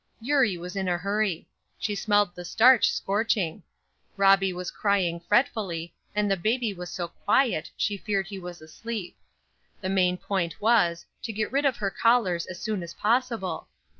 Eurie was in a hurry. She smelled the starch scorching; Robbie was crying fretfully, and the baby was so quiet she feared he was asleep; the main point was, to get rid of her callers as soon as possible.